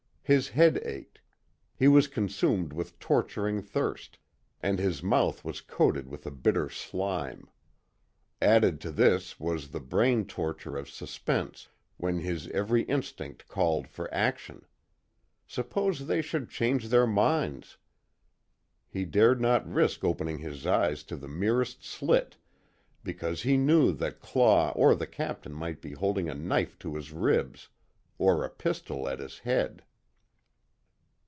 His head ached, he was consumed with torturing thirst, and his mouth was coated with a bitter slime. Added to this was the brain torture of suspense when his every instinct called for action. Suppose they should change their minds. He dared not risk opening his eyes to the merest slit, because he knew that Claw or the Captain might be holding a knife to his ribs, or a pistol at his head.